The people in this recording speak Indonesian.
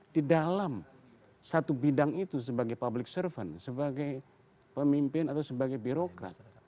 di dalam satu bidang itu sebagai public serven sebagai pemimpin atau sebagai birokrat